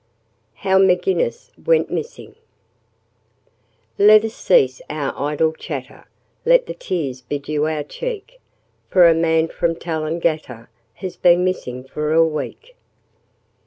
How M'Ginnis Went Missing Let us cease our idle chatter, Let the tears bedew our cheek, For a man from Tallangatta Has been missing for a week.